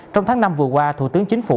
trong tháng năm vừa qua thủ tướng chính phủ